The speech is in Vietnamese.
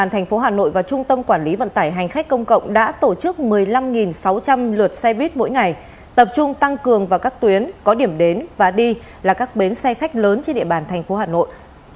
thành phố hà nội và trung tâm quản lý vận tải hành khách công cộng đã tổ chức một mươi năm sáu trăm linh lượt xe buýt mỗi ngày tập trung tăng cường vào các tuyến có điểm đến và đi là các bến xe khách lớn trên địa bàn thành phố hà nội